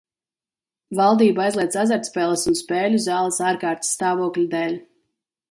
Valdība aizliedz azartspēles un spēļu zāles ārkārtas stāvokļa dēļ.